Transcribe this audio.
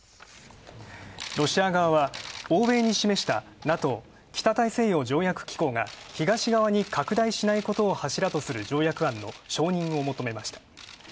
ロシア側は、欧米に示した、ＮＡＴＯ＝北大西洋条約機構が東側に拡大しないことを柱とする条約案の承認を求めました。